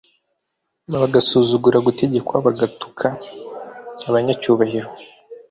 bagasuzugura gutegekwa bagatuka abanyacyubahiro